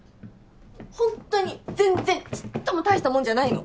ほんとに全然ちっともたいしたもんじゃないの。